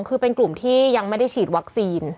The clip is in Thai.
คือเป็นกลุ่มที่ยังไม่ได้ฉีดวัคซีน